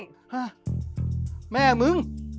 แต่แม่มึง